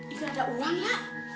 itu ada uang la